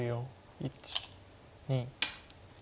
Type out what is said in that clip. １２。